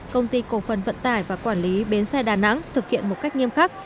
công ty cổ phần vận tải và quản lý bến xe đà nẵng thực hiện một cách nghiêm khắc